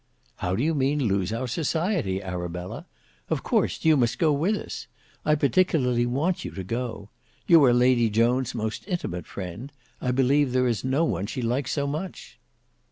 "How do you mean lose our society Arabella? Of course you must go with us. I particularly want you to go. You are Lady Joan's most intimate friend; I believe there is no one she likes so much."